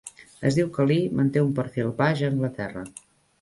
Es diu que Lee manté un perfil baix a Anglaterra.